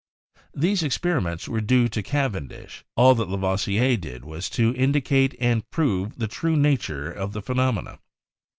These experiments were due to Cavendish ; all that Lavoisier did was to indicate and prove the true nature of the phenomena.